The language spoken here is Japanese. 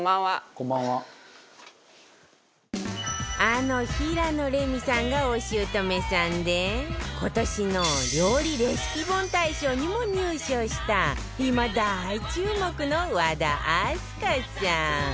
あの平野レミさんがお姑さんで今年の料理レシピ本大賞にも入賞した今大注目の和田明日香さん